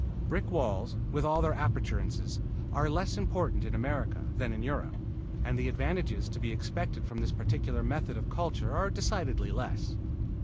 Brick walls, with all their appurtenances, are less important in America than in Europe and the advantages to be expected from this particular method of culture are decidedly less.